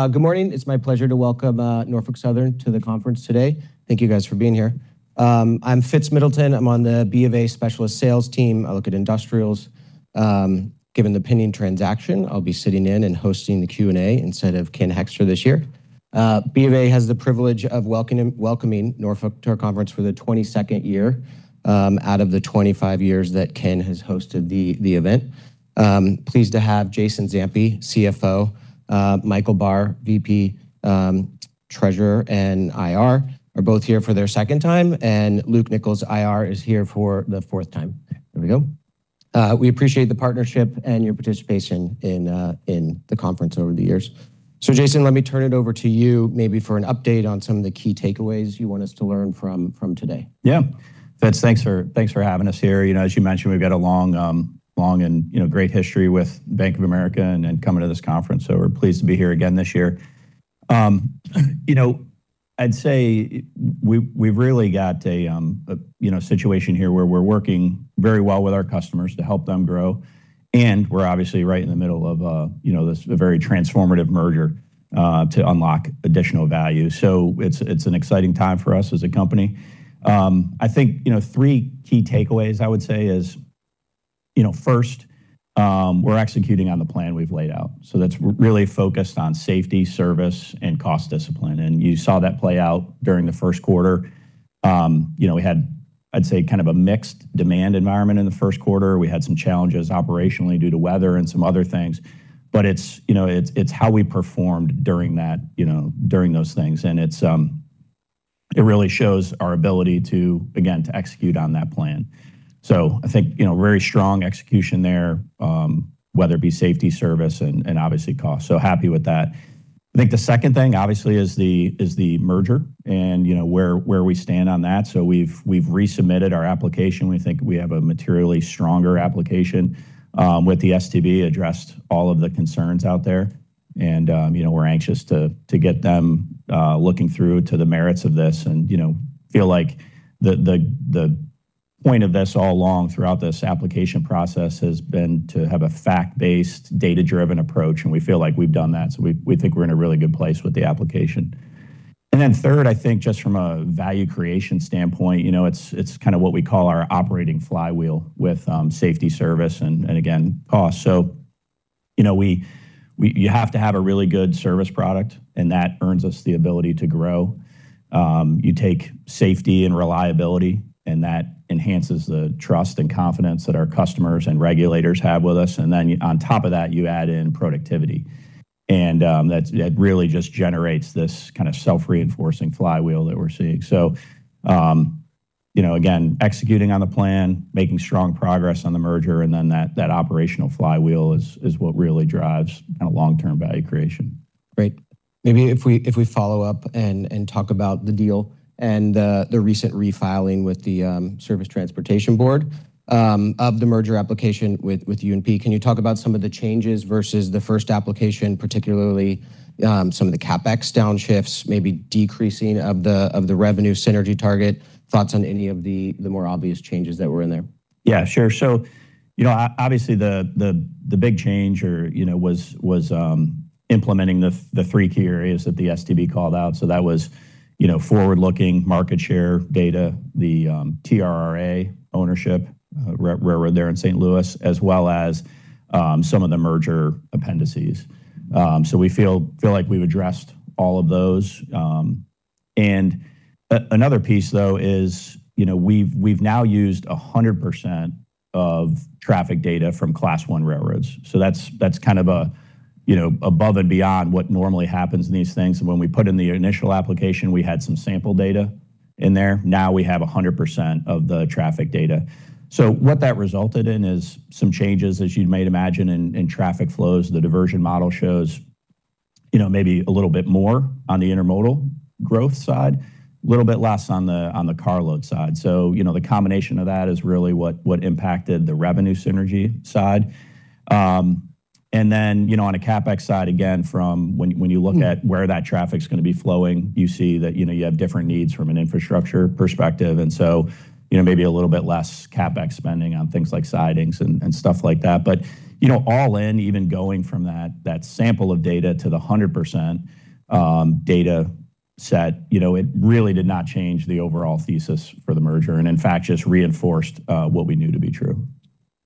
Good morning. It's my pleasure to welcome Norfolk Southern to the conference today. Thank you guys for being here. I'm Fitz Middleton. I'm on the BofA Specialist Sales team. I look at industrials. Given the peding transaction, I'll be sitting in and hosting the Q&A instead of Ken Hoexter this year. BofA has the privilege of welcoming Norfolk to our conference for the 22nd year out of the 25 years that Ken has hosted the event. Pleased to have Jason Zampi, CFO, Michael Barr, VP, Treasurer and IR, are both here for their second time, and Luke Nichols, IR, is here for the fourth time. There we go. We appreciate the partnership and your participation in the conference over the years. Jason, let me turn it over to you maybe for an update on some of the key takeaways you want us to learn from today. Yeah. Fitz, thanks for having us here. You know, as you mentioned, we've got a long, long and, you know, great history with Bank of America and coming to this conference. We're pleased to be here again this year. You know, I'd say we've really got a, you know, situation here where we're working very well with our customers to help them grow, and we're obviously right in the middle of, you know, this very transformative merger to unlock additional value. It's an exciting time for us as a company. I think, you know, three key takeaways I would say is, you know, first, we're executing on the plan we've laid out. That's really focused on safety, service, and cost discipline. You saw that play out during the first quarter. You know, we had, I'd say, kind of a mixed demand environment in the first quarter. We had some challenges operationally due to weather and some other things. It's, you know, it's how we performed during that, you know, during those things. It's, it really shows our ability to, again, to execute on that plan. I think, you know, very strong execution there, whether it be safety, service, and obviously cost. Happy with that. I think the second thing, obviously, is the, is the merger and, you know, where we stand on that. We've, we've resubmitted our application. We think we have a materially stronger application, with the STB addressed all of the concerns out there. You know, we're anxious to get them looking through to the merits of this and, you know, feel like the point of this all along throughout this application process has been to have a fact-based, data-driven approach, and we feel like we've done that. We think we're in a really good place with the application. Third, I think just from a value creation standpoint, you know, it's kind of what we call our operating flywheel with safety, service, and again, cost. You know, you have to have a really good service product, and that earns us the ability to grow. You take safety and reliability, and that enhances the trust and confidence that our customers and regulators have with us. On top of that, you add in productivity. It really just generates this kind of self-reinforcing flywheel that we're seeing. You know, again, executing on the plan, making strong progress on the merger, and then that operational flywheel is what really drives kind of long-term value creation. Great. Maybe if we, if we follow up and talk about the deal and the recent refiling with the Surface Transportation Board of the merger application with UNP. Can you talk about some of the changes versus the first application, particularly some of the CapEx downshifts, maybe decreasing of the revenue synergy target? Thoughts on any of the more obvious changes that were in there? Yeah, sure. You know, obviously, the big change or, you know, was implementing the three key areas that the STB called out. That was, you know, forward-looking market share data, the TRRA ownership railroad there in St. Louis, as well as some of the merger appendices. We feel like we've addressed all of those. Another piece, though, is, you know, we've now used 100% of traffic data from Class I railroads. That's kind of a, you know, above and beyond what normally happens in these things. When we put in the initial application, we had some sample data in there. Now we have 100% of the traffic data. What that resulted in is some changes, as you might imagine, in traffic flows. The diversion model shows, you know, maybe a little bit more on the intermodal growth side, a little bit less on the, on the carload side. You know, the combination of that is really what impacted the revenue synergy side. Then, you know, on a CapEx side, again, from when you look at where that traffic's gonna be flowing, you see that, you know, you have different needs from an infrastructure perspective. So, you know, maybe a little bit less CapEx spending on things like sidings and stuff like that. You know, all in, even going from that sample of data to the 100% data set, you know, it really did not change the overall thesis for the merger, and in fact, just reinforced what we knew to be true.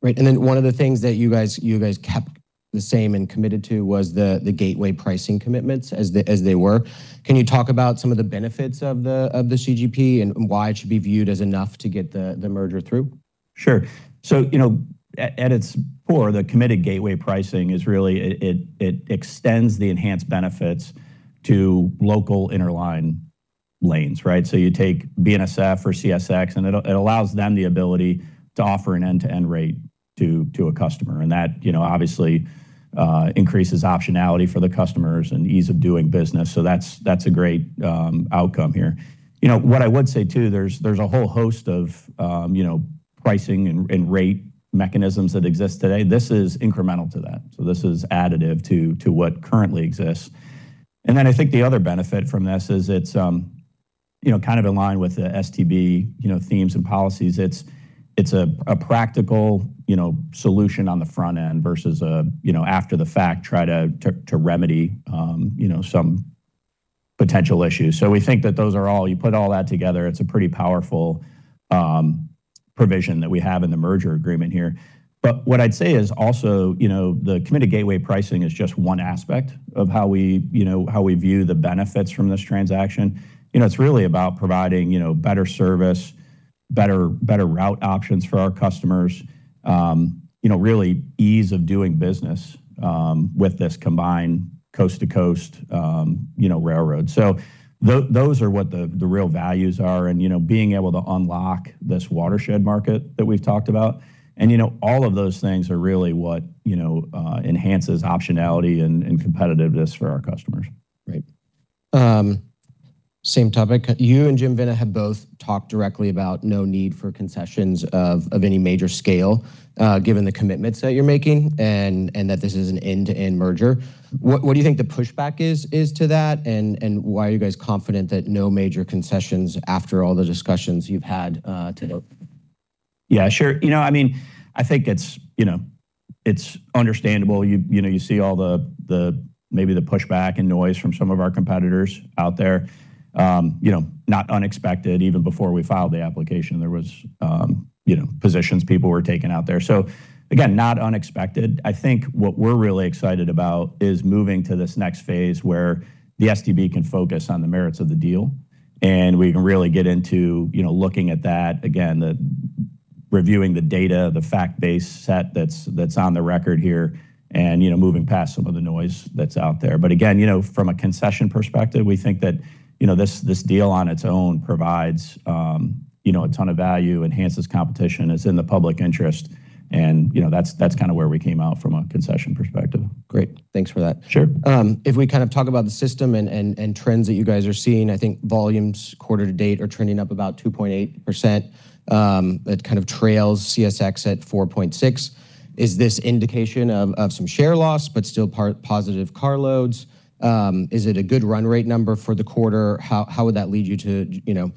Right. One of the things that you guys kept the same and committed to was the Gateway Pricing Commitments as they were. Can you talk about some of the benefits of the CGP and why it should be viewed as enough to get the merger through? Sure. You know, at its core, the Committed Gateway Pricing is really it extends the enhanced benefits to local interline lanes, right? You take BNSF or CSX, and it allows them the ability to offer an end-to-end rate to a customer. That, you know, obviously, increases optionality for the customers and ease of doing business. That's, that's a great outcome here. You know, what I would say, too, there's a whole host of, you know, pricing and rate mechanisms that exist today. This is incremental to that. This is additive to what currently exists. Then I think the other benefit from this is it's, you know, kind of in line with the STB, you know, themes and policies. It's a practical, you know, solution on the front end versus a, you know, after the fact try to remedy, you know, some potential issues. We think that you put all that together, it's a pretty powerful provision that we have in the merger agreement here. What I'd say is also, you know, the Committed Gateway Pricing is just one aspect of how we, you know, how we view the benefits from this transaction. You know, it's really about providing, you know, better service, better route options for our customers, you know, really ease of doing business with this combined coast-to-coast, you know, railroad. Those are what the real values are and, you know, being able to unlock this watershed market that we've talked about. You know, all of those things are really what, you know, enhances optionality and competitiveness for our customers. Right. Same topic. You and Jim Vena have both talked directly about no need for concessions of any major scale, given the commitments that you're making and that this is an end-to-end merger. What do you think the pushback is to that, why are you guys confident that no major concessions after all the discussions you've had? Yeah, sure. You know, I mean, I think it's, you know, it's understandable. You, you know, you see all the maybe the pushback and noise from some of our competitors out there. You know, not unexpected. Even before we filed the application, there was, you know, positions people were taking out there. Again, not unexpected. I think what we're really excited about is moving to this next phase where the STB can focus on the merits of the deal, and we can really get into, you know, looking at that. Again, reviewing the data, the fact-based set that's on the record here and, you know, moving past some of the noise that's out there. Again, you know, from a concession perspective, we think that, you know, this deal on its own provides, you know, a ton of value, enhances competition, is in the public interest, and, you know, that's kind of where we came out from a concession perspective. Great. Thanks for that. Sure. If we kind of talk about the system and trends that you guys are seeing, I think volumes quarter to date are trending up about 2.8%. It kind of trails CSX at 4.6%. Is this indication of some share loss but still positive carloads? Is it a good run rate number for the quarter? How would that lead you to, you know,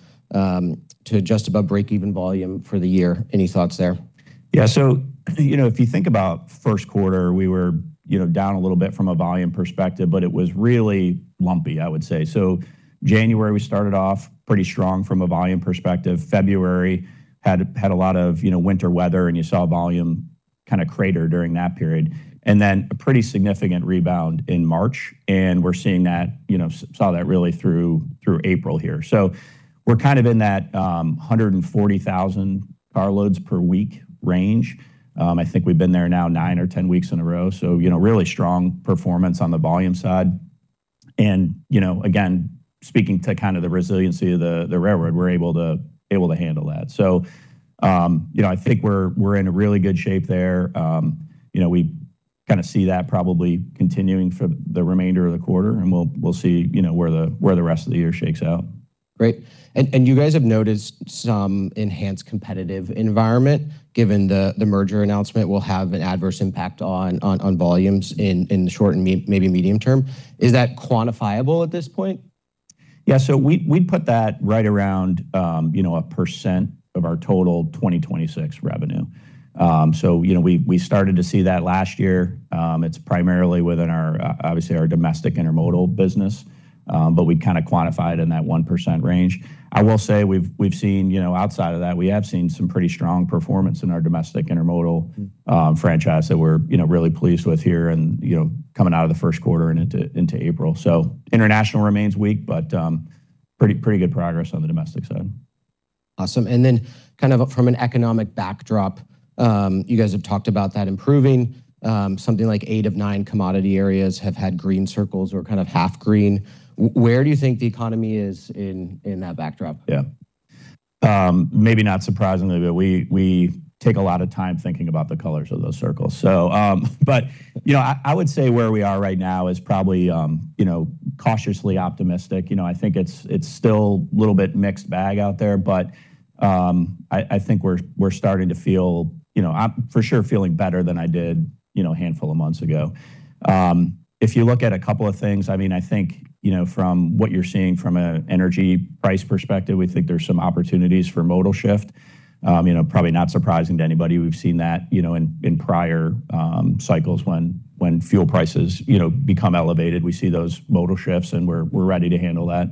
to adjust above break-even volume for the year? Any thoughts there? Yeah. you know, if you think about first quarter, we were, you know, down a little bit from a volume perspective, but it was really lumpy, I would say. January, we started off pretty strong from a volume perspective. February had a lot of, you know, winter weather, you saw volume kind of crater during that period. Then a pretty significant rebound in March, we're seeing that, you know, saw that really through April here. We're kind of in that 140,000 carloads per week range. I think we've been there now nine or 10 weeks in a row, you know, really strong performance on the volume side. you know, again, speaking to kind of the resiliency of the railroad, we're able to handle that. You know, I think we're in a really good shape there. You know, we kinda see that probably continuing for the remainder of the quarter, and we'll see, you know, where the rest of the year shakes out. Great. You guys have noticed some enhanced competitive environment given the merger announcement will have an adverse impact on volumes in the short and maybe medium term. Is that quantifiable at this point? Yeah. We'd put that right around, you know, 1% of our total 2026 revenue. It's primarily within our, obviously our domestic intermodal business, but we kind of quantify it in that 1% range. I will say we've seen, you know, outside of that, we have seen some pretty strong performance in our domestic intermodal franchise that we're, you know, really pleased with here and, you know, coming out of the first quarter and into April. International remains weak, but, pretty good progress on the domestic side. Awesome. Kind of from an economic backdrop, you guys have talked about that improving. Something like eight of nine commodity areas have had green circles or kind of half green. Where do you think the economy is in that backdrop? Yeah. Maybe not surprisingly, we take a lot of time thinking about the colors of those circles. You know, I would say where we are right now is probably, you know, cautiously optimistic. You know, I think it's still a little bit mixed bag out there, I think we're starting to feel, you know I'm for sure feeling better than I did, you know, a handful of months ago. If you look at a couple of things, I mean, I think, you know, from what you're seeing from a energy price perspective, we think there's some opportunities for modal shift. You know, probably not surprising to anybody. We've seen that, you know, in prior cycles when fuel prices, you know, become elevated. We see those modal shifts, we're ready to handle that.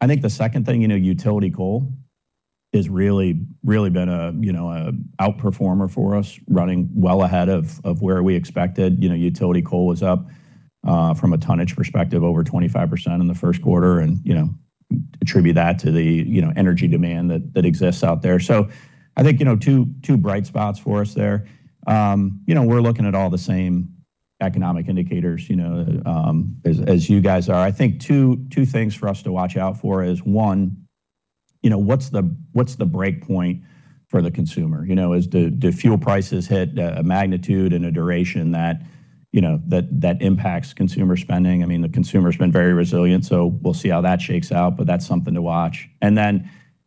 I think the second thing, you know, utility coal has really been a, you know, a outperformer for us, running well ahead of where we expected. You know, utility coal was up from a tonnage perspective over 25% in the first quarter, you know, attribute that to the, you know, energy demand that exists out there. I think, you know, two bright spots for us there. You know, we're looking at all the same economic indicators, you know, as you guys are. I think two things for us to watch out for is, one, you know, what's the break point for the consumer? You know, as the fuel prices hit a magnitude and a duration that, you know, that impacts consumer spending. I mean, the consumer's been very resilient, so we'll see how that shakes out, but that's something to watch.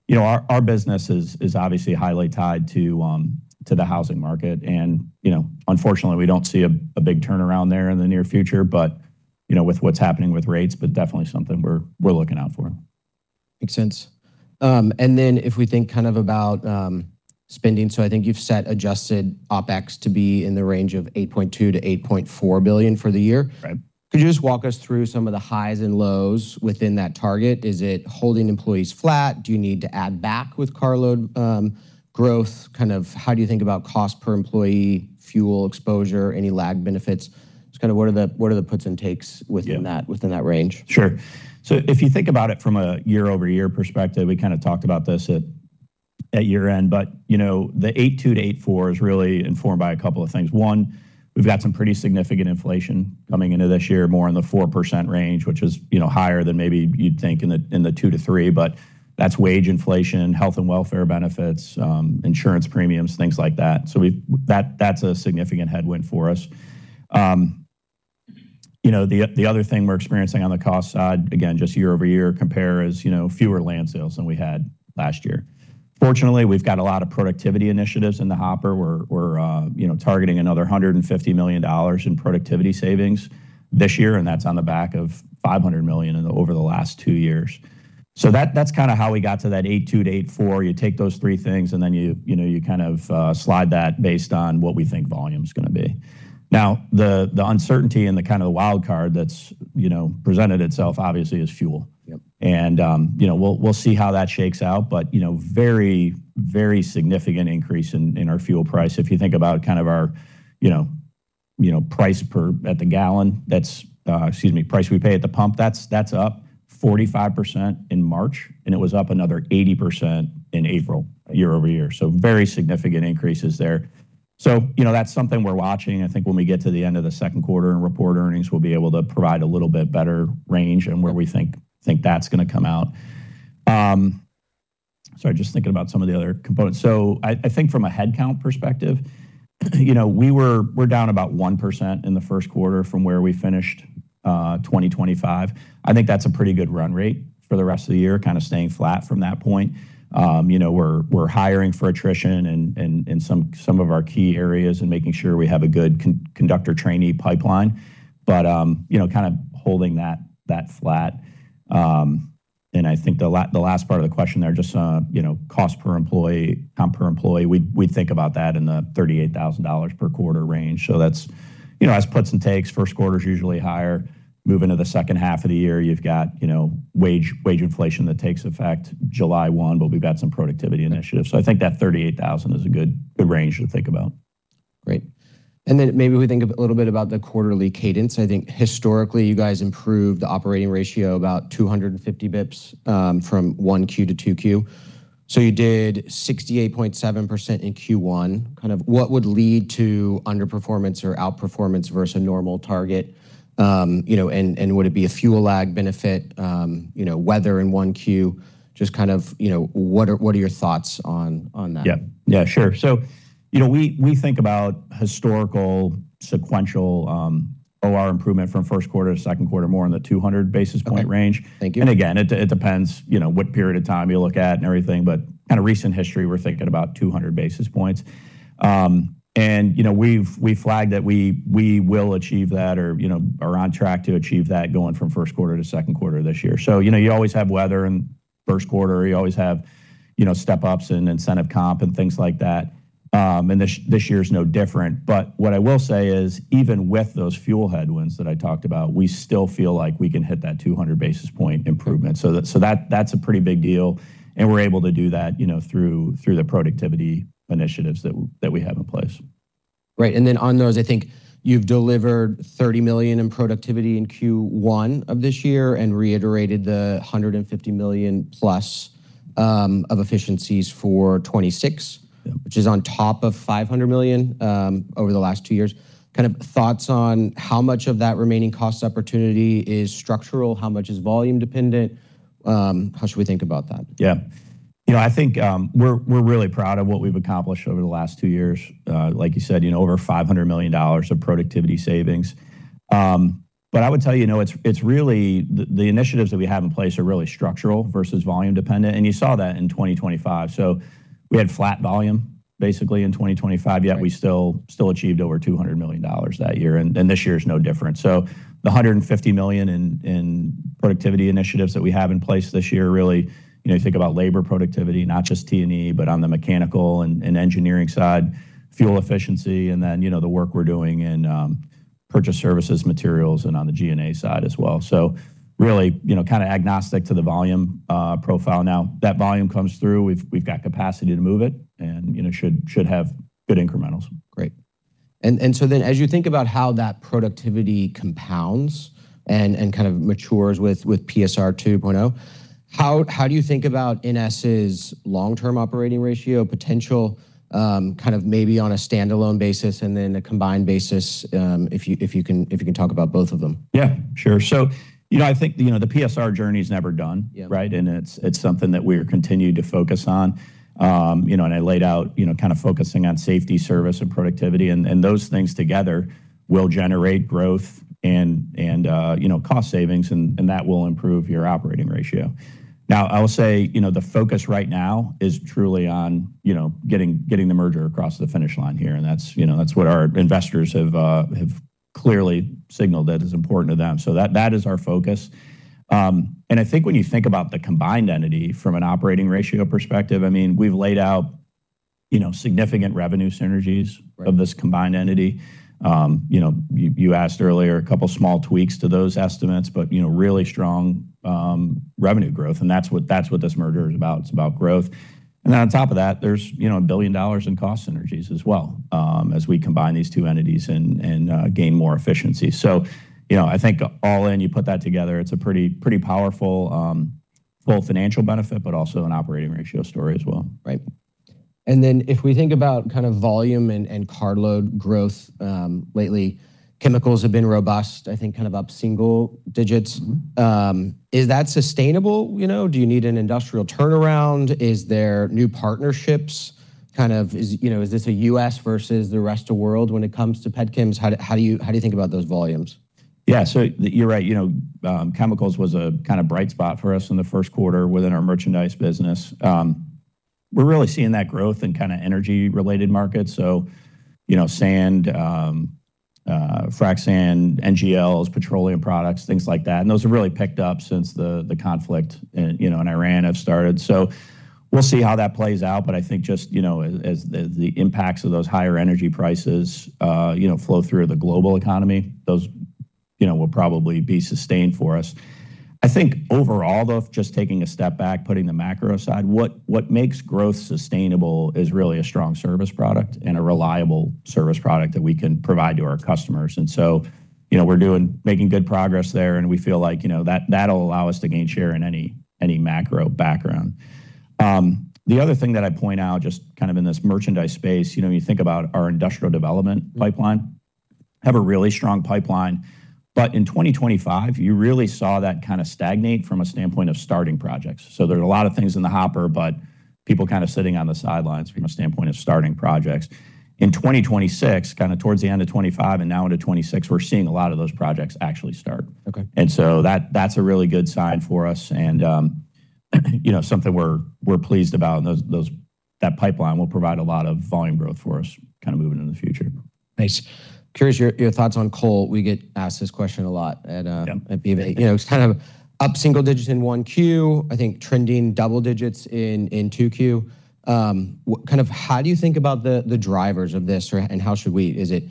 You know, our business is obviously highly tied to the housing market and, you know, unfortunately, we don't see a big turnaround there in the near future, but, you know, with what's happening with rates, but definitely something we're looking out for. Makes sense. If we think kind of about spending, I think you've set adjusted OpEx to be in the range of $8.2 billion-$8.4 billion for the year. Right. Could you just walk us through some of the highs and lows within that target? Is it holding employees flat? Do you need to add back with carload growth? Kind of how do you think about cost per employee, fuel exposure, any lag benefits? Just kind of what are the puts and takes within that? Yeah. Within that range? Sure. If you think about it from a year-over-year perspective, we kind of talked about this at year-end, you know, the 8.2%-8.4% is really informed by a couple of things. One, we've got some pretty significant inflation coming into this year, more in the 4% range, which is, you know, higher than maybe you'd think in the 2%-3%, that's wage inflation, health and welfare benefits, insurance premiums, things like that. That's a significant headwind for us. You know, the other thing we're experiencing on the cost side, again, just year-over-year compare is, you know, fewer land sales than we had last year. Fortunately, we've got a lot of productivity initiatives in the hopper. We're, you know, targeting another $150 million in productivity savings this year, and that's on the back of $500 million over the last two years. That's kinda how we got to that 8.2%-8.4%. You take those three things, then you know, you kind of slide that based on what we think volume's gonna be. Now, the uncertainty and the kind of the wild card that's, you know, presented itself obviously is fuel. Yep. You know, we'll see how that shakes out but, you know, very significant increase in our fuel price. If you think about kind of our, you know, price per at the gallon, excuse me, price we pay at the pump, that's up 45% in March, and it was up another 80% in April year-over-year. Very significant increases there. You know, that's something we're watching. I think when we get to the end of the second quarter and report earnings, we'll be able to provide a little bit better range and where we think that's gonna come out. Sorry, just thinking about some of the other components. I think from a headcount perspective, you know, we're down about 1% in the first quarter from where we finished 2025. I think that's a pretty good run rate for the rest of the year, kind of staying flat from that point. You know, we're hiring for attrition in some of our key areas and making sure we have a good conductor trainee pipeline. You know, kind of holding that flat. I think the last part of the question there, just, you know, cost per employee, comp per employee, we think about that in the $38,000 per quarter range. That's, you know, has puts and takes. First quarter's usually higher. Move into the second half of the year, you've got, you know, wage inflation that takes effect July 1. We've got some productivity initiatives. I think that 38,000 is a good range to think about. Great. Maybe we think of a little bit about the quarterly cadence. I think historically, you guys improved the operating ratio about 250 basis points from 1Q to 2Q. You did 68.7% in 1Q. Kind of what would lead to underperformance or outperformance versus a normal target? You know, and would it be a fuel lag benefit, you know, weather in 1Q? Just kind of, you know, what are your thoughts on that? Yeah. Yeah, sure. You know, we think about historical sequential, OR improvement from first quarter to second quarter more in the 200 basis point range. Thank you. Again, it depends, you know, what period of time you look at and everything, but kind of recent history, we're thinking about 200 basis points. You know, we flagged that we will achieve that or, you know, are on track to achieve that going from first quarter to second quarter this year. You know, you always have weather in first quarter, you always have, you know, step-ups and incentive comp and things like that. This year's no different. What I will say is, even with those fuel headwinds that I talked about, we still feel like we can hit that 200 basis point improvement. That's a pretty big deal, and we're able to do that, you know, through the productivity initiatives that we have in place. Right. On those, I think you've delivered $30 million in productivity in Q1 of this year and reiterated the $150+ million of efficiencies for 2026. Yeah. Which is on top of $500 million over the last two years. Kind of thoughts on how much of that remaining cost opportunity is structural, how much is volume dependent, how should we think about that? Yeah. You know, I think, we're really proud of what we've accomplished over the last two years. Like you said, you know, over $500 million of productivity savings. I would tell you know, it's really the initiatives that we have in place are really structural versus volume dependent, and you saw that in 2025. We had flat volume basically in 2025, yet we still achieved over $200 million that year. This year is no different. The $150 million in productivity initiatives that we have in place this year really, you know, you think about labor productivity, not just T&E, but on the mechanical and engineering side, fuel efficiency, and then, you know, the work we're doing in purchased services, materials, and on the G&A side as well. Really, you know, kinda agnostic to the volume profile. Now, that volume comes through, we've got capacity to move it and, you know, should have good incrementals. Great. As you think about how that productivity compounds and kind of matures with PSR 2.0, how do you think about NS's long-term operating ratio potential, kind of maybe on a standalone basis and then a combined basis, if you can talk about both of them? Yeah, sure. You know, I think, you know, the PSR journey's never done. Yeah. Right? It's something that we're continued to focus on. I laid out, kind of focusing on safety, service, and productivity, those things together will generate growth and cost savings, and that will improve your operating ratio. Now, I will say, the focus right now is truly on getting the merger across the finish line here, that's what our investors have clearly signaled that is important to them. That is our focus. I think when you think about the combined entity from an operating ratio perspective, I mean, we've laid out significant revenue synergies. Right. Of this combined entity. You know, you asked earlier a couple small tweaks to those estimates, but you know, really strong revenue growth, and that's what this merger is about. It's about growth. On top of that, there's, you know, $1 billion in cost synergies as well, as we combine these two entities and gain more efficiency. You know, I think all in, you put that together, it's a pretty powerful full financial benefit, but also an operating ratio story as well. Right. Then if we think about kind of volume and carload growth, lately, chemicals have been robust, I think kind of up single digits. Is that sustainable? You know, do you need an industrial turnaround? Is there new partnerships? Kind of is, you know, is this a U.S. versus the rest of world when it comes to petchems? How do you think about those volumes? Yeah. You're right. You know, chemicals was a kind of bright spot for us in the first quarter within our merchandise business. We're really seeing that growth in kinda energy-related markets. You know, sand, frac sand, NGLs, petroleum products, things like that. Those have really picked up since the conflict in, you know, in Ukraine have started. We'll see how that plays out. I think just, you know, as the impacts of those higher energy prices, you know, flow through the global economy, those, you know, will probably be sustained for us. I think overall though, just taking a step back, putting the macro aside, what makes growth sustainable is really a strong service product and a reliable service product that we can provide to our customers. You know, making good progress there, and we feel like, you know, that'll allow us to gain share in any macro background. The other thing that I'd point out, just kind of in this merchandise space, you know, when you think about our industrial development pipeline, have a really strong pipeline. In 2025, you really saw that kind of stagnate from a standpoint of starting projects. There's a lot of things in the hopper, but people kind of sitting on the sidelines from a standpoint of starting projects. In 2026, kinda towards the end of 2025 and now into 2026, we're seeing a lot of those projects actually start. Okay. That's a really good sign for us and, you know, something we're pleased about. That pipeline will provide a lot of volume growth for us kind of moving into the future. Nice. Curious your thoughts on coal. We get asked this question a lot at. Yeah. At B of A. You know, it's kind of up single digits in 1Q, I think trending double digits in 2Q. kind of how do you think about the drivers of this, and how should we? Is it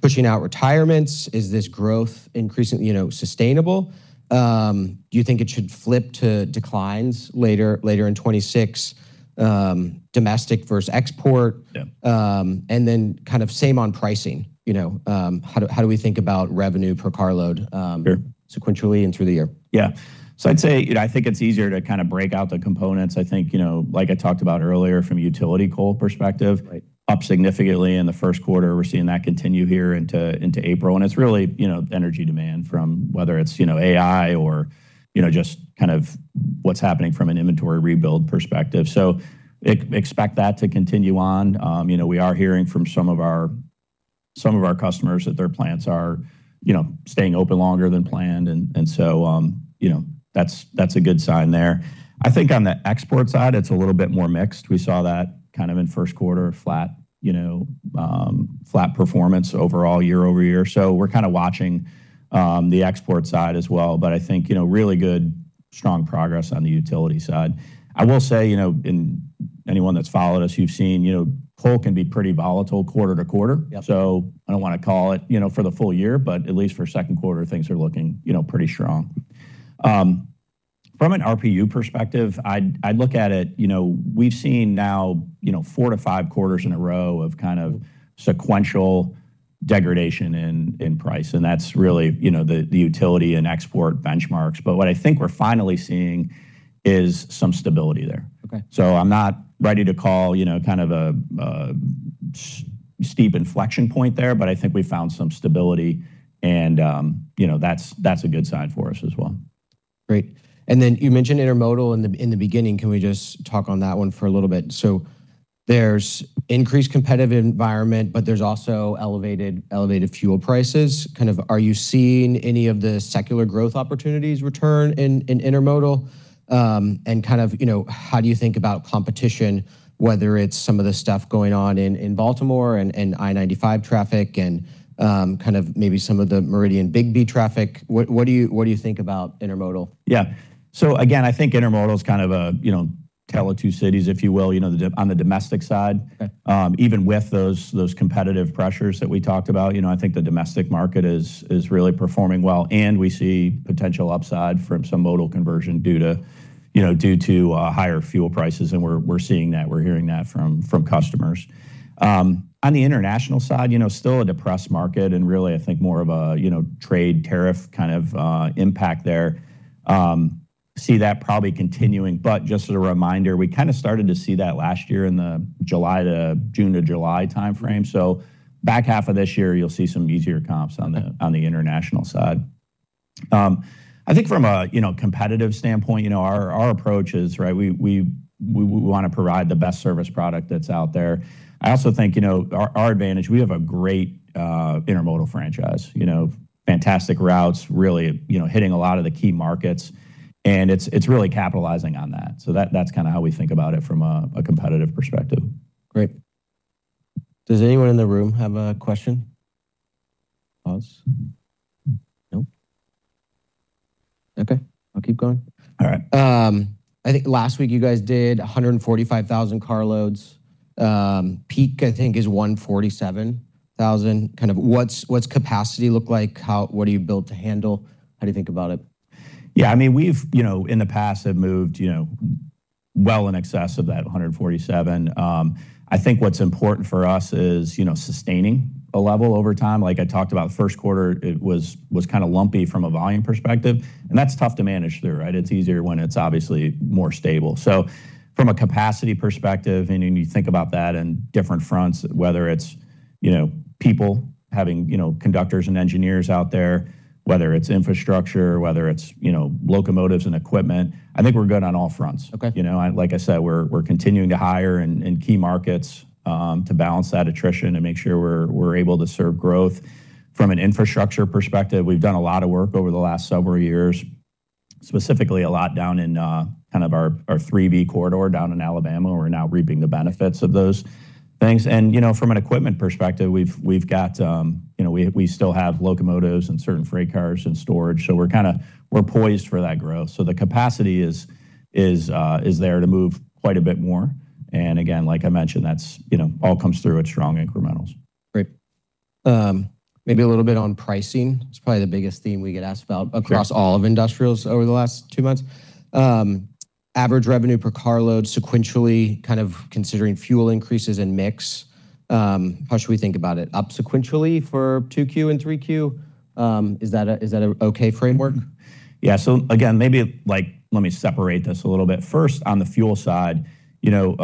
pushing out retirements? Is this growth increasing, you know, sustainable? Do you think it should flip to declines later in 2026, domestic versus export? Yeah. Kind of same on pricing. You know, how do we think about revenue per carload? Sure. Sequentially and through the year? Yeah. I'd say, you know, I think it's easier to kind of break out the components. I think, you know, like I talked about earlier from a utility coal perspective. Right. Up significantly in the first quarter. We're seeing that continue here into April, it's really, you know, energy demand from whether it's, you know, AI or, you know, just kind of what's happening from an inventory rebuild perspective. Expect that to continue on. You know, we are hearing from some of our customers that their plants are, you know, staying open longer than planned, so, you know, that's a good sign there. I think on the export side it's a little bit more mixed. We saw that kind of in first quarter flat, you know, flat performance overall year-over-year. We're kind of watching the export side as well. I think, you know, really good, strong progress on the utility side. I will say, you know, anyone that's followed us, you've seen, you know, coal can be pretty volatile quarter-to-quarter. Yep. I don't wanna call it, you know, for the full year, but at least for second quarter, things are looking, you know, pretty strong. From an RPU perspective, I'd look at it, you know, we've seen now, you know, four to five quarters in a row of kind of sequential degradation in price, and that's really, you know, the utility and export benchmarks. What I think we're finally seeing is some stability there. Okay. I'm not ready to call, you know, kind of a steep inflection point there, but I think we've found some stability and, you know, that's a good sign for us as well. Great. Then you mentioned intermodal in the beginning. Can we just talk on that one for a little bit? There's increased competitive environment, but there's also elevated fuel prices. Kind of are you seeing any of the secular growth opportunities return in intermodal? Kind of, you know, how do you think about competition, whether it's some of the stuff going on in Baltimore and I-95 traffic and kind of maybe some of the Meridian Bigbee traffic. What do you think about intermodal? Yeah. Again, I think intermodal is kind of a, you know, tale of two cities, if you will. You know, on the domestic side. Okay. Even with those competitive pressures that we talked about, you know, I think the domestic market is really performing well, and we see potential upside from some modal conversion due to, you know, due to higher fuel prices, and we're seeing that, we're hearing that from customers. On the international side, you know, still a depressed market and really, I think more of a, you know, trade tariff kind of impact there. See that probably continuing, but just as a reminder, we kinda started to see that last year in the June to July timeframe. Back half of this year you'll see some easier comps on the international side. I think from a, you know, competitive standpoint, you know, our approach is, right, we want to provide the best service product that's out there. I also think, you know, our advantage, we have a great intermodal franchise. You know, fantastic routes really, you know, hitting a lot of the key markets, and it's really capitalizing on that. That, that's kinda how we think about it from a competitive perspective. Great. Does anyone in the room have a question? Pause. Nope. Okay, I'll keep going. All right. I think last week you guys did 145,000 carloads. Peak, I think, is 147,000. Kind of what's capacity look like? What are you built to handle? How do you think about it? Yeah, I mean, we've, you know, in the past have moved, you know, well in excess of that 147,000. I think what's important for us is, you know, sustaining a level over time. Like I talked about first quarter, it was kind of lumpy from a volume perspective, and that's tough to manage through, right? It's easier when it's obviously more stable. From a capacity perspective, and you think about that in different fronts, whether it's, you know, people having, you know, conductors and engineers out there, whether it's infrastructure, whether it's, you know, locomotives and equipment, I think we're good on all fronts. Okay. You know, like I said, we're continuing to hire in key markets to balance that attrition and make sure we're able to serve growth. From an infrastructure perspective, we've done a lot of work over the last several years, specifically a lot down in kind of our 3B Corridor down in Alabama. We're now reaping the benefits of those things. You know, from an equipment perspective, we've got, you know, we still have locomotives and certain freight cars in storage, so we're poised for that growth. The capacity is there to move quite a bit more. Again, like I mentioned, that's, you know, all comes through at strong incrementals. Great. maybe a little bit on pricing. It's probably the biggest theme we get asked about. Sure. Across all of industrials over the last two months. Average revenue per car load sequentially, kind of considering fuel increases and mix, how should we think about it? Up sequentially for 2Q and 3Q? Is that a okay framework? Yeah. Again, maybe, like, let me separate this a little bit. First, on the fuel side, you know,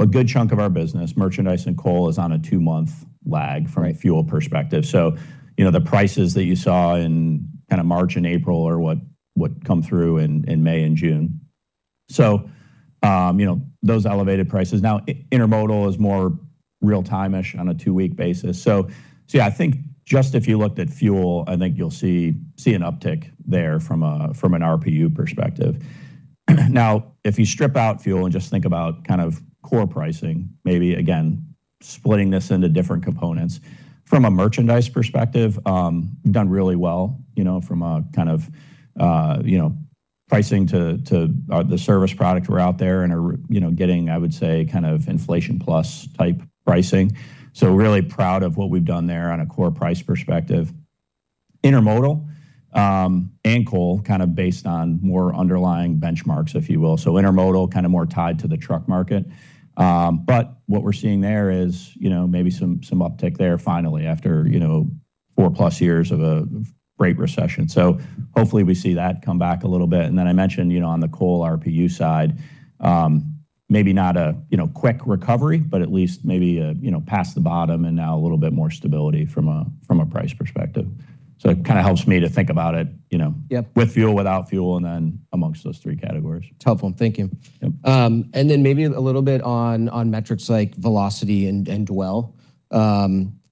a good chunk of our business, merchandise and coal, is on a two-month lag. Right. From a fuel perspective. You know, the prices that you saw in kinda March and April are what come through in May and June. You know, those elevated prices. Now, intermodal is more real-time-ish on a two-week basis. Yeah, I think just if you looked at fuel, I think you'll see an uptick there from an RPU perspective. Now, if you strip out fuel and just think about kind of core pricing, maybe again splitting this into different components, from a merchandise perspective, we've done really well, you know, from a kind of, you know, pricing to the service product we're out there and are, you know, getting, I would say, kind of inflation plus type pricing. Really proud of what we've done there on a core price perspective. Intermodal, and coal kind of based on more underlying benchmarks, if you will. Intermodal kind of more tied to the truck market. What we're seeing there is, you know, maybe some uptick there finally after, you know, 4+ years of a freight recession. Hopefully we see that come back a little bit. I mentioned, you know, on the coal RPU side, maybe not a, you know, quick recovery, but at least maybe a, you know, past the bottom and now a little bit more stability from a, from a price perspective. It kinda helps me to think about it, you know. Yep. With fuel, without fuel, and then amongst those three categories. It's helpful. Thank you. Yep. Maybe a little bit on metrics like velocity and dwell.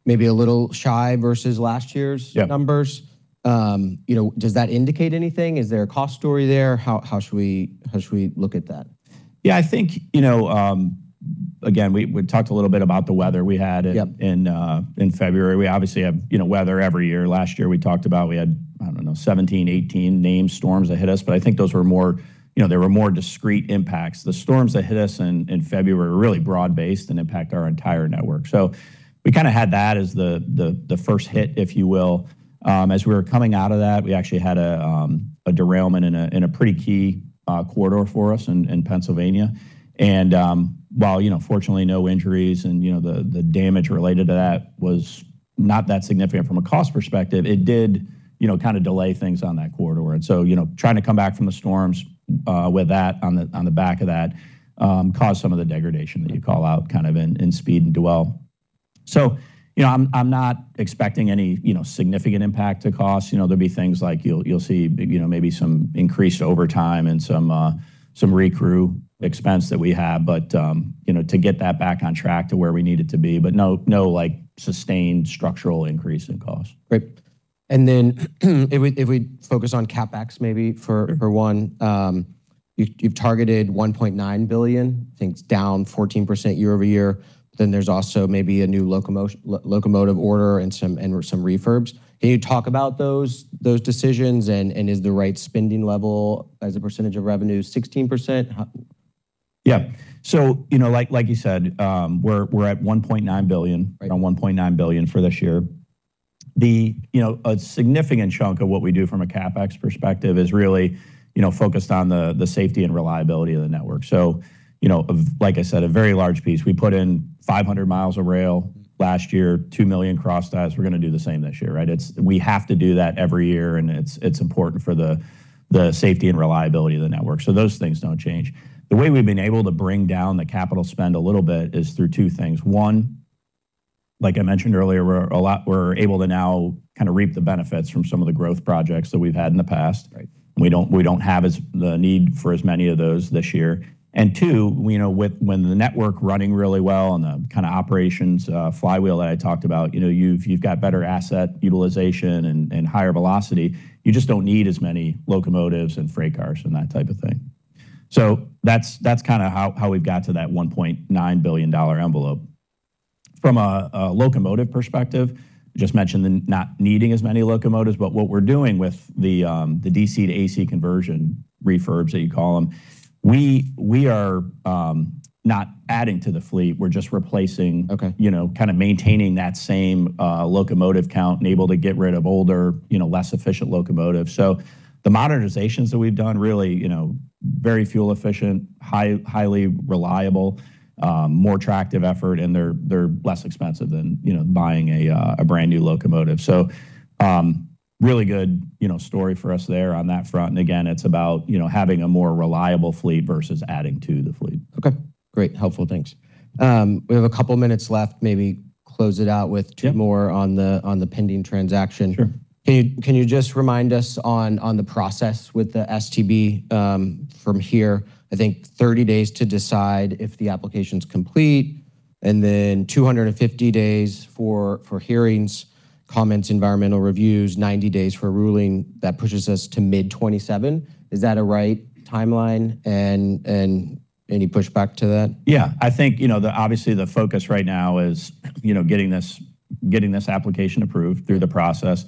Maybe a little shy versus last year's. Yeah. numbers. You know, does that indicate anything? Is there a cost story there? How should we look at that? I think, you know, again, we talked a little bit about the weather we had. Yep. in February. We obviously have, you know, weather every year. Last year we talked about we had, I don't know, 17, 18 named storms that hit us, but I think those were more, you know, they were more discrete impacts. The storms that hit us in February were really broad-based and impact our entire network. We kinda had that as the first hit, if you will. As we were coming out of that, we actually had a derailment in a pretty key corridor for us in Pennsylvania. While, you know, fortunately no injuries and, you know, the damage related to that was not that significant from a cost perspective, it did, you know, kinda delay things on that corridor. You know, trying to come back from the storms, with that on the, on the back of that, caused some of the degradation that you call out in speed and dwell. You know, I'm not expecting any, you know, significant impact to cost. You know, there'll be things like you'll see, you know, maybe some increased overtime and some recrew expense that we have, you know, to get that back on track to where we need it to be. No sustained structural increase in cost. Great. Then if we focus on CapEx, maybe for one. You've targeted $1.9 billion. I think it's down 14% year-over-year. There's also maybe a new locomotive order and some refurbs. Can you talk about those decisions? Is the right spending level as a percentage of revenue 16%? Yeah. you know, like you said, we're at $1.9 billion. Right. Around $1.9 billion for this year. A significant chunk of what we do from a CapEx perspective is really, you know, focused on the safety and reliability of the network. You know, like I said, a very large piece. We put in 500 miles of rail last year, 2 million crossties. We're gonna do the same this year, right? It's we have to do that every year, and it's important for the safety and reliability of the network. Those things don't change. The way we've been able to bring down the capital spend a little bit is through two things. One, like I mentioned earlier, we're able to now kind of reap the benefits from some of the growth projects that we've had in the past. Right. We don't have the need for as many of those this year. Two, you know, with when the network running really well and the kinda operations flywheel that I talked about, you know, you've got better asset utilization and higher velocity. You just don't need as many locomotives and freight cars and that type of thing. That's kind of how we've got to that $1.9 billion envelope. From a locomotive perspective, just mentioned the not needing as many locomotives, but what we're doing with the DC to AC conversion refurbs that you call them, we are not adding to the fleet. We're just replacing. Okay. You know, kind of maintaining that same locomotive count and able to get rid of older, you know, less efficient locomotives. The modernizations that we've done really, you know, very fuel efficient, highly reliable, more tractive effort, and they're less expensive than, you know, buying a brand new locomotive. Really good, you know, story for us there on that front. Again, it's about, you know, having a more reliable fleet versus adding to the fleet. Okay, great. Helpful. Thanks. We have a couple of minutes left, maybe close it out with. Yeah. On the pending transaction. Sure. Can you just remind us on the process with the STB from here? I think 30 days to decide if the application's complete and then 250 days for hearings, comments, environmental reviews, 90 days for ruling, that pushes us to mid 2027. Is that a right timeline? Any pushback to that? Yeah. I think, you know, obviously, the focus right now is, you know, getting this application approved through the process.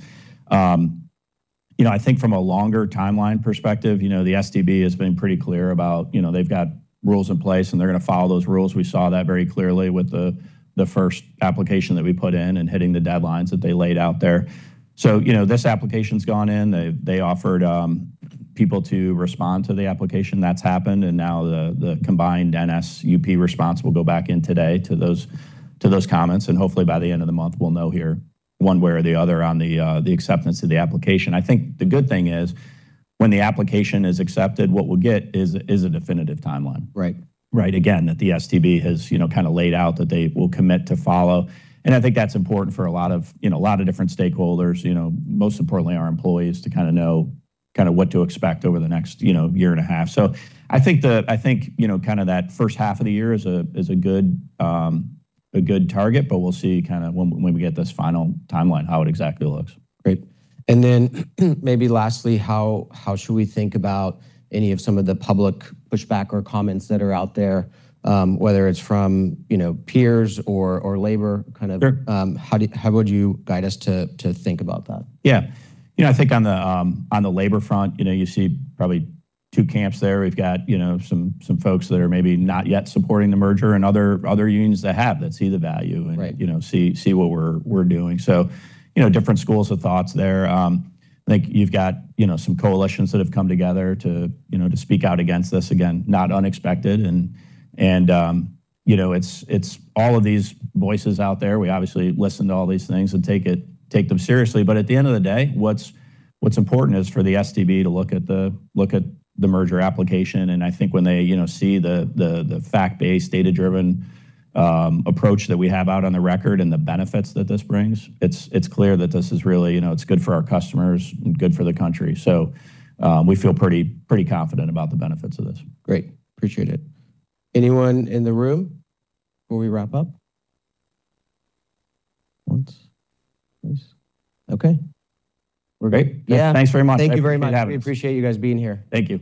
You know, I think from a longer timeline perspective, you know, the STB has been pretty clear about, you know, they've got rules in place, and they're gonna follow those rules. We saw that very clearly with the first application that we put in and hitting the deadlines that they laid out there. You know, this application's gone in. They offered people to respond to the application that's happened, and now the combined NS-UP response will go back in today to those comments. Hopefully by the end of the month, we'll know here one way or the other on the acceptance of the application. I think the good thing is when the application is accepted, what we'll get is a definitive timeline. Right. Right. Again, that the STB has, you know, kind of laid out that they will commit to follow. I think that's important for a lot of, you know, a lot of different stakeholders, you know, most importantly our employees to kind of know what to expect over the next, you know, year and a half. I think, you know, kind of that first half of the year is a good target, but we'll see kind of when we get this final timeline how it exactly looks. Great. Maybe lastly, how should we think about any of some of the public pushback or comments that are out there, whether it's from, you know, peers or labor. Sure. How would you guide us to think about that? Yeah. You know, I think on the, on the labor front, you know, you see probably two camps there. We've got, you know, some folks that are maybe not yet supporting the merger and other unions that see the value. Right. You know, see what we're doing. You know, different schools of thoughts there. I think you've got, you know, some coalitions that have come together to, you know, to speak out against this. Again, not unexpected, and, you know, it's all of these voices out there. We obviously listen to all these things and take them seriously. At the end of the day, what's important is for the STB to look at the merger application. I think when they, you know, see the fact-based, data-driven approach that we have out on the record and the benefits that this brings, it's clear that this is really, you know, it's good for our customers and good for the country. We feel pretty confident about the benefits of this. Great. Appreciate it. Anyone in the room before we wrap up? Once? Please? Okay. We're great. Yeah. Thanks very much. Thank you very much. Thank you for having us. We appreciate you guys being here. Thank you.